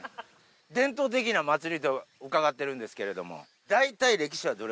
伝統的な祭りって伺ってるんですけれども、大体、江戸時代。